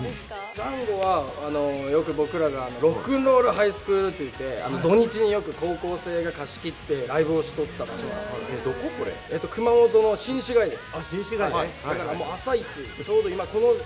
Ｄｊａｎｇｏは、僕らがロックンロールハイスクールって言って、土日によく高校生が貸し切ってライブをしてた場所で、熊本の新市街です。